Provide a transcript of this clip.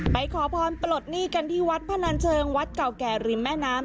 ขอพรปลดหนี้กันที่วัดพนันเชิงวัดเก่าแก่ริมแม่น้ำ